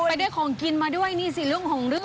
ไปได้ของกินมาด้วยนี่สิเรื่องของเรื่อง